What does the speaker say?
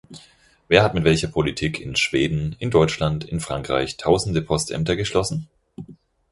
Wer hat mit welcher Politik in Schweden, in Deutschland, in Frankreich Tausende Postämter geschlossen?